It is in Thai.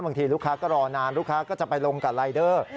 บางทีลูกค้าก็รอนานลูกค้าก็จะไปลงกับรายเดอร์